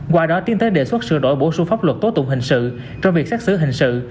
qua đó tiến tới đề xuất sửa đổi bổ sung pháp luật tố tụng hình sự trong việc xác xử hình sự